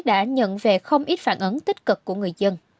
đã nhận về không ít phản ứng tích cực của người dân